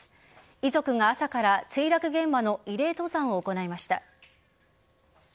遺族が朝から墜落現場の慰霊登山を行いました。